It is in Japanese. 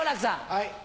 はい。